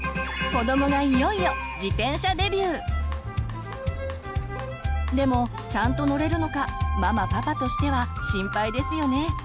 子どもがいよいよでもちゃんと乗れるのかママパパとしては心配ですよね。